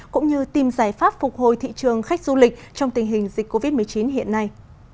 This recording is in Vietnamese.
cũng như tìm giải pháp phục hồi thị trường khách du lịch trong tình hình dịch covid một mươi chín hiện nay